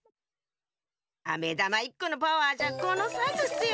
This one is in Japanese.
あめだま１このパワーじゃこのサイズっすよ。